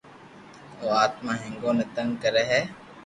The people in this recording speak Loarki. او آتما ھينگون ني تنگ ڪري ھي